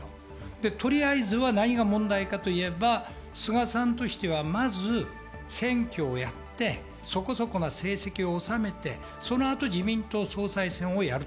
とりあえず何が問題かといえば菅さんとしては選挙をやって、そこそこな成績を収めて、そのあと自民党総裁選をやる。